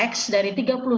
x dari tiga puluh sembilan